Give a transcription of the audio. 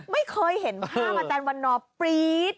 ไม่เคยเห็นภาพอาจารย์วันนอร์ปรี๊ด